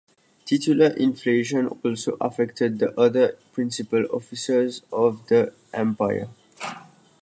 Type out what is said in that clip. Titular inflation also affected the other principal offices of the Empire.